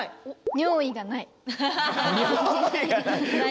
尿意がない。